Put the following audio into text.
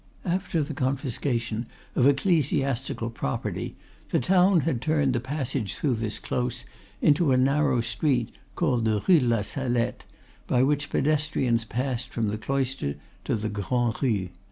After the confiscation of ecclesiastical property the town had turned the passage through this close into a narrow street, called the Rue de la Psalette, by which pedestrians passed from the Cloister to the Grand'Rue.